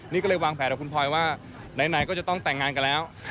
นี่ก็เลยวางแผนกับคุณพลอยว่าไหนก็จะต้องแต่งงานกันแล้ว